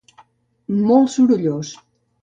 Molt sorollós